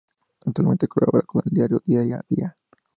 Actualmente colabora con el diario "Día a Día".